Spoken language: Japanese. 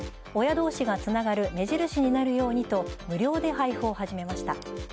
親同士がつながる目印になるようにと無料で配布を始めました。